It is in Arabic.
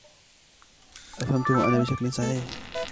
أفهمته أنا بشكل صحيح؟